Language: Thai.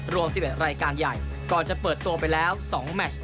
รวม๑๑รายการใหญ่ก่อนจะเปิดตัวไปแล้ว๒แมช